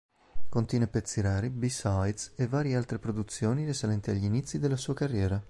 Contiene pezzi rari, b-sides e varie altre produzioni risalenti agli inizi della sua carriera.